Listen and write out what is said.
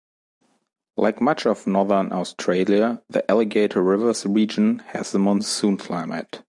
Like much of northern Australia, the Alligator Rivers region has a monsoon climate.